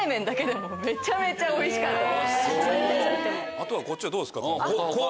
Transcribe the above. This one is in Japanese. あとはこっちはどうですか？